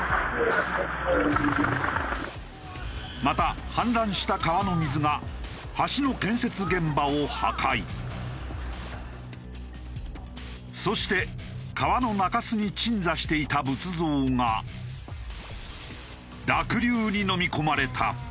また氾濫した川の水がそして川の中州に鎮座していた仏像が濁流にのみ込まれた。